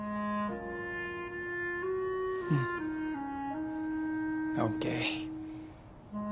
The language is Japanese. うん。ＯＫ。